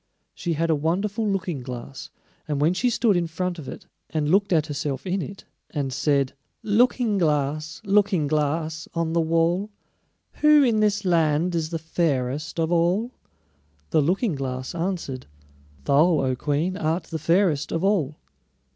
She had a wonderful Looking glass, and when she stood in front of it, and looked at herself in it, and said: "Looking glass, Looking glass, on the wall, Who in this land is the fairest of all?" the Looking glass answered: "Thou, O Queen, art the fairest of all!"